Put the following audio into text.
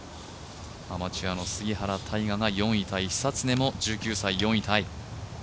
アマチュアの杉原大河が４位タイ久常も１９歳、４位タイ。